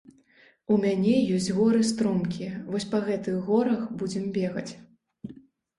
У мяне ёсць горы стромкія, вось па гэтых горах будзем бегаць.